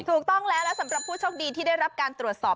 ถูกต้องแล้วและสำหรับผู้โชคดีที่ได้รับการตรวจสอบ